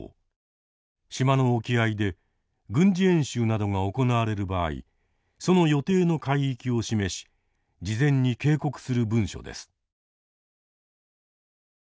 島の沖合で軍事演習などが行われる場合その予定の海域を示し事前に警告する文書です。